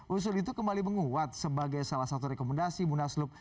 usul itu kembali menguat sebagai salah satu rekomendasi munaslup